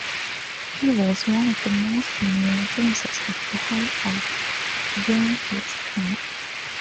He was one of the most senior princes of the house of Genghis Khan.